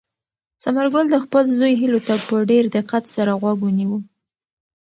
ثمرګل د خپل زوی هیلو ته په ډېر دقت سره غوږ ونیو.